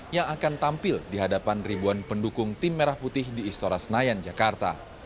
yang akan tampil di hadapan ribuan pendukung tim merah putih di istora senayan jakarta